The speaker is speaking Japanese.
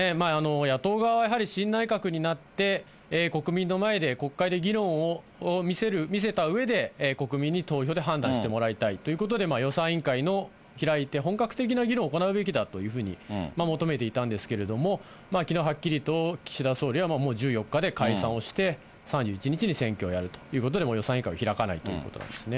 野党側はやはり新内閣になって、国民の前で、国会で議論を見せたうえで、国民に投票で判断してもらいたいということで、予算委員会を開いて、本格的な議論を行うべきだというふうに求めていたんですけれども、きのうはっきりと、岸田総理は、もう１４日で解散をして、３１日に選挙をやるということで、予算委員会は開かないということなんですね。